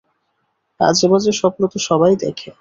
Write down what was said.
আজেবাজে স্বপ্ন তো সবাই দেখে।